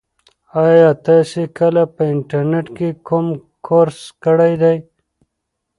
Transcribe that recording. ایا تاسي کله په انټرنيټ کې کوم کورس کړی دی؟